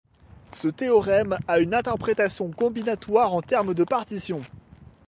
Ce théorème a une interprétation combinatoire en termes de partitions.